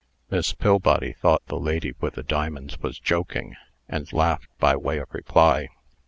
Miss Pillbody thought the lady with the diamonds was joking, and laughed by way of reply.